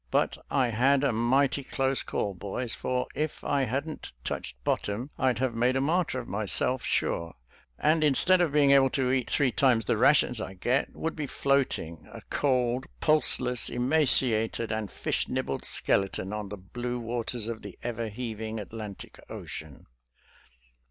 But I had a mighty close call, boys, for if I hadn't touched bottom I'd have made a martyr of myself, sure, and instead of being able to eat three times the ra tions I get, would be floating, a cold, pulseless, emaciated and fish nibbled skeleton, on the blue waters of the ever heaving Atlantic Ocean."